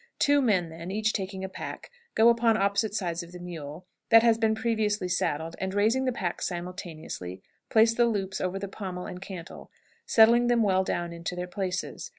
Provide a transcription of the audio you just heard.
Two men then, each taking a pack, go upon opposite sides of the mule, that has been previously saddled, and, raising the packs simultaneously, place the loops over the pommel and cantel, settling them well down into their places.